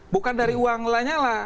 bukan dari uang lainnya lah